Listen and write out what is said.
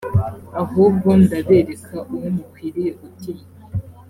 ahubwo ndabereka uwo mukwiriye gutinya.